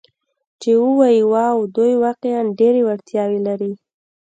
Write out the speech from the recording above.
چې ووایي: 'واو، دوی واقعاً ډېرې وړتیاوې لري.